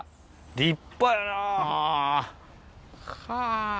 立派やなあ。